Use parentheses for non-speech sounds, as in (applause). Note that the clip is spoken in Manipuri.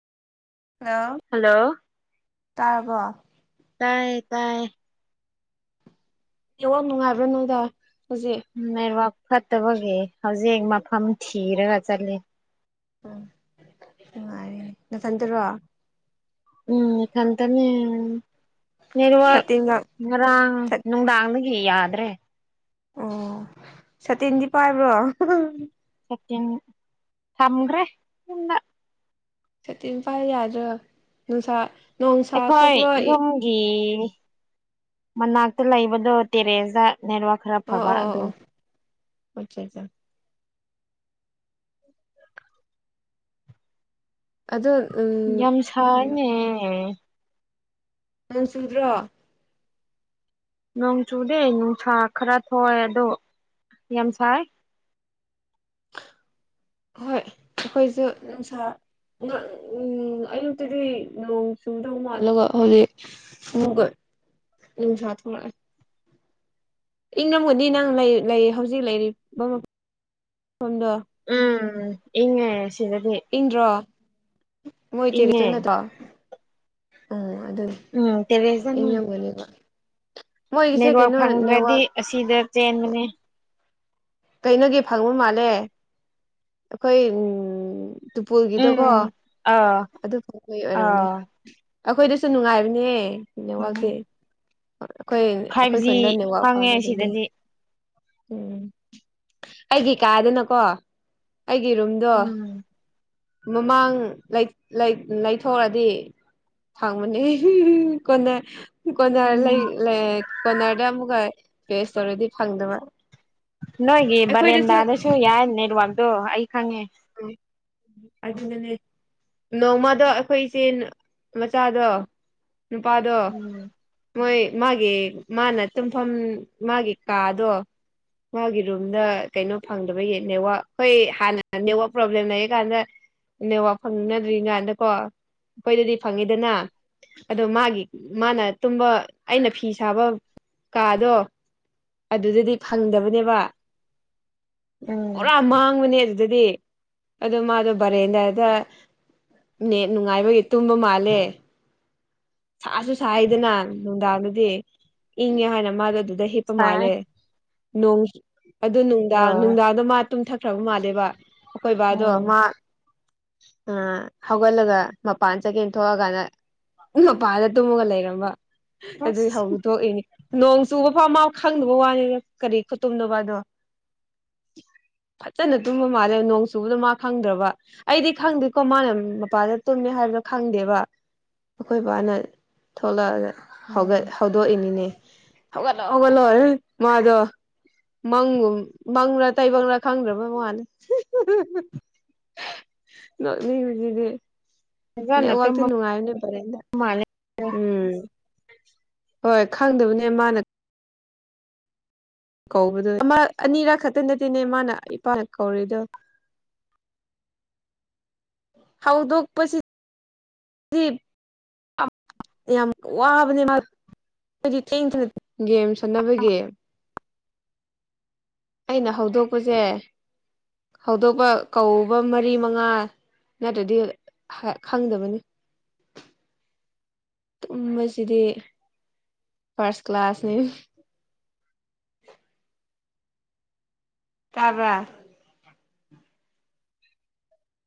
ꯍꯜꯂꯣ ꯍꯜꯂꯣ ꯇꯥꯔꯕꯣ ꯇꯥꯏꯌꯦ ꯇꯥꯏꯌꯦ ꯏ ꯋꯥ ꯅꯨꯡꯉꯥꯏꯕ꯭ꯔꯥ ꯅꯣꯗ ꯍꯧꯖꯤꯛ ꯅꯦꯠꯋꯥꯛ ꯐꯠꯇꯕꯒꯤ ꯍꯧꯖꯤꯛ ꯃꯐꯝ ꯊꯤꯔꯒ ꯆꯠꯂꯤ ꯎꯝ ꯅꯨꯡꯉꯥꯏꯔ ꯅꯁꯟꯗꯨꯔꯣ ꯎꯝ ꯈꯟꯇꯅꯤ ꯋꯥ ꯁꯇꯤꯟꯒ ꯉꯔꯥꯡ ꯁꯠ ꯅꯨꯡꯗꯥꯡꯗꯒꯤ ꯌꯥꯗ꯭ꯔꯦ ꯑꯣ ꯁꯇꯤꯟꯗꯤ ꯄꯥꯏꯕ꯭ꯔꯣ ꯁꯦꯀꯦꯟ ꯊꯝꯒ꯭ꯔꯦꯅ ꯁꯇꯤ ꯏꯝꯐꯥꯜ ꯌꯥꯗ꯭ꯔꯥ ꯅꯨꯡꯁꯥ ꯅꯣꯡꯁꯥ ꯑꯩꯈꯣꯏ ꯊꯣꯛꯄ꯭ꯔꯣ ꯏ ꯌꯨꯝ ꯒꯤ ꯃꯅꯥꯛꯇ ꯂꯩꯕꯗꯣ ꯇꯦꯔꯦꯁꯇ ꯅꯦꯠꯋꯥꯛ ꯈꯔ ꯑꯣ ꯐꯕ ꯑꯣ ꯑꯣ ꯑꯗꯨ ꯑꯣ ꯑꯆꯥ ꯑꯠꯆꯥ ꯑꯗ ꯌꯥꯝꯁꯅꯦ ꯅꯪ ꯁꯨꯗ꯭ꯔꯣ ꯅꯣꯡ ꯆꯨꯗꯦ ꯅꯨꯡꯁꯥ ꯈꯔ ꯊꯣꯛꯑꯦ ꯑꯗꯣ ꯌꯥꯝ ꯁꯥꯏ ꯍꯣꯏ ꯑꯩꯈꯣꯏꯁꯨ ꯅꯨꯡꯁꯥ ꯅꯛ ꯎꯪ ꯌꯨꯛꯇꯗꯤ ꯅꯣꯡ ꯆꯨꯗꯧ ꯃꯥꯜꯂꯒ ꯍꯧꯖꯤꯛ ꯑꯗꯨꯒ ꯅꯨꯡꯁꯥ ꯊꯣꯛꯂꯛꯑꯦ ꯏꯪꯔꯝꯒꯗꯤ ꯅꯪ ꯂꯩ ꯂꯩ ꯍꯧꯖꯤꯛ ꯂꯩꯔꯤꯕ ꯃꯐ ꯐꯝꯗꯣ ꯎꯝ ꯏꯪꯉꯦ ꯁꯤꯗꯗꯤ ꯏꯪꯗ꯭ꯔꯣ ꯃꯣꯏ ꯏꯪꯉꯦ ꯇꯦꯔꯦꯁꯇꯨꯗ ꯅꯠꯇ꯭ꯔꯣ ꯎꯝ ꯑꯗꯨꯅꯤ ꯎꯝ ꯇꯦꯔꯦꯖꯗꯅꯦ (unintelligible) ꯃꯣꯏꯒꯤꯁꯦ ꯅꯦꯠꯋꯥꯛ ꯀꯩꯅꯣ ꯐꯪꯗ꯭ꯔꯗꯤ ꯅꯦꯠꯋꯥꯛ ꯑꯁꯤꯗ ꯆꯦꯟꯕꯅꯦ ꯀꯩꯅꯣꯒꯤ ꯐꯪꯕ ꯃꯥꯜꯂꯦ ꯑꯩꯈꯣꯏ ꯎꯝ ꯇꯨꯄꯨꯜꯒꯤꯗꯣꯀꯣ ꯎꯝ ꯑꯥ ꯑꯗꯨꯐꯥꯎꯕꯒꯤ ꯑꯣꯏꯔꯝꯅꯤ ꯑꯥ ꯑꯩꯈꯣꯏꯗꯁꯨ ꯅꯨꯡꯉꯥꯏꯕꯅꯦꯍꯦ ꯐꯪꯉꯦ ꯅꯦꯠꯋꯥꯥꯛꯇꯤ ꯑꯩꯈꯣꯏ ꯐꯥꯏꯚ ꯑꯩꯈꯣꯏ ꯖꯤ ꯈꯨꯟꯗ ꯅꯦꯋꯥꯛ ꯐꯪꯉꯦ ꯐꯪꯗ꯭ꯔꯗꯤ ꯑꯗꯩ ꯁꯤꯗꯗꯤ ꯎꯝ ꯑꯩꯒꯤ ꯀꯥꯗꯨꯅꯀꯣ ꯑꯩꯒꯤ ꯔꯨꯝꯗꯣ ꯎꯝ ꯃꯃꯥꯡ ꯂꯩꯠ ꯂꯩ ꯂꯩꯊꯣꯛꯔꯗꯤ ꯐꯪꯕꯅꯦ ꯍꯤꯍꯤ ꯀꯣꯟꯅ ꯀꯣꯅꯔ ꯂꯩ ꯎꯝ ꯂꯩ ꯀꯣꯔꯅꯔꯗ ꯑꯃꯨꯛꯀ ꯇꯦꯁ ꯇꯧꯔꯗꯤ ꯐꯪꯗꯕ ꯅꯣꯏꯒꯤ ꯑꯩꯈꯣꯏꯗꯁꯨ ꯕꯥꯔꯦꯟꯗꯥꯗꯁꯨ ꯌꯥꯏ ꯅꯦꯠꯋꯥꯛꯇꯣ ꯑꯩ ꯈꯪꯉꯦ ꯑꯗꯨꯅꯅꯦ ꯅꯣꯡꯃꯗꯣ ꯑꯩꯈꯣꯏ ꯏꯆꯦ ꯃꯆꯥꯗꯣ ꯅꯨꯄꯥꯗꯣ ꯎꯝ ꯃꯣꯏ ꯃꯥꯒꯤ ꯃꯥꯅ ꯇꯨꯝꯐꯝ ꯃꯥꯒꯤ ꯀꯥꯗꯣ ꯃꯥꯒꯤ ꯔꯨꯝꯗ ꯀꯩꯅꯣ ꯐꯪꯗꯕꯒꯤ ꯅꯦꯠꯋꯥꯛ ꯑꯩꯈꯣꯏ ꯍꯥꯟꯅ ꯅꯦꯠꯋꯥꯛ ꯄ꯭ꯔꯣꯕ꯭ꯂꯦꯝ ꯂꯩꯔꯤꯀꯥꯟꯗ ꯅꯦꯠꯋꯥꯛ ꯐꯪꯅꯗ꯭ꯔꯤ ꯀꯥꯟꯗꯀꯣ ꯑꯩꯈꯣꯏꯗꯗꯤ ꯐꯪꯉꯤꯗꯅ ꯑꯗꯣ ꯃꯥꯒꯤ ꯃꯥꯅ ꯇꯨꯝꯕ ꯑꯩꯅ ꯐꯤ ꯁꯥꯕ ꯀꯥꯗꯣ ꯑꯗꯨꯗꯗꯤ ꯐꯪꯗꯕꯅꯦꯕ ꯎꯝ ꯄꯨꯔꯥ ꯃꯥꯡꯕꯅꯦ ꯑꯗꯨꯗꯤ ꯑꯗꯨ ꯃꯥꯗꯣ ꯕꯔꯦꯟꯗꯥꯗ ꯅꯦꯠ ꯅꯨꯡꯉꯥꯏꯕꯒꯤ ꯇꯨꯝꯕ ꯃꯥꯜꯂꯦ ꯁꯥꯁꯨ ꯁꯥꯏꯌꯦꯗꯅ ꯅꯨꯡꯗꯥꯡꯗꯨꯗꯤ ꯏꯪꯉꯦ ꯍꯥꯏꯅ ꯃꯥꯗꯣ ꯑꯗꯨꯗꯩ ꯍꯤꯞꯄ ꯁꯥꯏ ꯃꯥꯜꯂꯦ ꯅꯣꯡ ꯑꯗꯨ ꯅꯨꯡꯗꯥꯡ ꯑꯣ ꯅꯨꯡꯗꯥꯡꯗꯣ ꯃꯥ ꯇꯨꯝꯊꯈ꯭ꯔꯕ ꯃꯥꯜꯂꯦꯕ ꯑꯈꯣꯏ ꯕꯥꯗꯣ ꯎꯝ ꯃꯥ ꯑ ꯍꯧꯒꯠꯂꯒ ꯃꯄꯥꯟ ꯆꯠꯀꯦꯅ ꯊꯣꯛꯑꯀꯥꯟꯗ ꯃꯄꯥꯟꯗ ꯇꯨꯝꯃꯒ ꯂꯩꯔꯝꯕ ꯑꯗꯨꯏ ꯑꯁ ꯍꯧ ꯊꯣꯛꯏꯅꯤ ꯅꯣꯡ ꯆꯨꯕ ꯐꯥꯎ ꯃꯥ ꯈꯪꯗꯕ ꯋꯥꯅꯤꯗ ꯀꯔꯤ ꯈꯨꯠꯇꯨꯝꯅꯣꯕ ꯑꯗꯣ ꯐꯠꯖꯅ ꯇꯨꯝꯕ ꯃꯥꯜꯂꯦ ꯅꯣꯡ ꯆꯨꯕꯗꯣ ꯃꯥ ꯈꯪꯗ꯭ꯔꯕ ꯑꯩꯗꯤ ꯈꯪꯗꯦꯀꯣ ꯃꯥꯅ ꯃꯄꯥꯟꯗ ꯇꯨꯝꯃꯦ ꯍꯥꯏꯕꯗꯣ ꯈꯪꯗꯦꯕ ꯑꯩꯈꯣꯏ ꯕꯥꯅ ꯊꯣꯛꯂꯛꯑꯒ ꯎꯝ ꯍꯧꯒꯠ ꯍꯧ ꯗꯣꯛꯏꯅꯤꯅꯦ ꯍꯧꯒꯠꯂꯣ ꯍꯧꯒꯠꯂꯣ ꯏ ꯃꯥꯗꯣ ꯃꯪꯒꯨꯝ ꯃꯪꯔꯥ ꯇꯥꯏꯕꯪꯔꯥ ꯈꯪꯗ꯭ꯔꯕ ꯋꯥꯅꯤ ꯅꯣꯛꯅꯤꯡꯕꯁꯤꯗꯤ ꯐꯖꯅ ꯅꯦꯠꯋꯥꯛꯇꯤ ꯇꯨꯝꯕ ꯅꯨꯡꯉꯥꯏꯕꯅꯦ ꯅꯣꯏ ꯄꯔꯦꯡꯗꯣ ꯃꯥꯜꯂꯦ ꯎꯝ ꯍꯣꯏ ꯈꯪꯗꯕꯅꯦ ꯃꯥꯅ ꯀꯧꯕꯗꯨ ꯑꯃꯔꯛ ꯑꯅꯤꯔꯛ ꯈꯛꯇ ꯅꯠꯇꯦꯅꯦ ꯃꯥꯅ ꯏꯄꯥꯅ ꯀꯧꯔꯤꯗꯣ ꯍꯧꯗꯣꯛꯄꯁꯤ (unintelligible) ꯌꯥꯝ ꯋꯥꯕꯅꯦ ꯃꯥ ꯍꯥꯏꯗꯤ ꯊꯦꯡꯊꯅ ꯒꯦꯝ ꯁꯥꯟꯅꯕꯒꯤ ꯑꯩꯅ ꯍꯧꯗꯣꯛꯄꯁꯦ ꯍꯧꯗꯣꯛꯄ ꯀꯧꯕ ꯃꯔꯤ ꯃꯉꯥ ꯅꯠꯇ꯭ꯔꯗꯤ ꯈ ꯈꯪꯗꯕꯅꯤ (inaudible) ꯇꯨꯝꯕꯁꯤꯗꯤ ꯐꯥꯔꯁ ꯀ꯭ꯂꯥꯁꯅꯤ ꯇꯥꯕ꯭ꯔꯥ